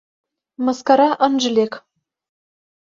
Мыскара ынже лек.